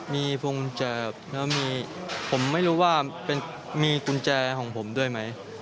มีพวงกุญแจแล้วมีผมไม่รู้ว่ามีกุญแจของผมด้วยไหม